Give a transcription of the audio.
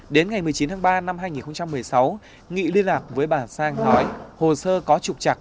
đến ngày một mươi chín tháng ba năm hai nghìn một mươi sáu nghị liên lạc với bà sang nói hồ sơ có trục trặc